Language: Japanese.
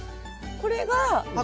これが。